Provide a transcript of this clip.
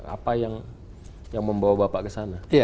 apa yang membawa bapak ke sana